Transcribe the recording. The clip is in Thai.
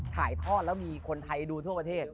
ถ่ายทอดแล้วมีคนไทยดูทั่วประเทศ